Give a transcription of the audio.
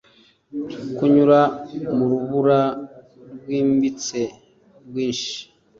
kunyura mu rubura rwimbitse, rwinshi